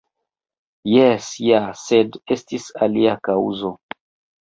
Jes ja, sed estis alia kaŭzo.